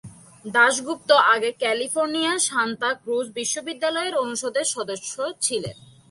দাশগুপ্ত আগে California, Santa Cruz বিশ্ববিদ্যালয়ের অনুষদের সদস্য ছিলেন।